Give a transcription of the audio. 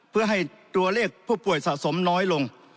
เพื่อให้ตัวเลขผู้ป่วยสะสมน้อยลง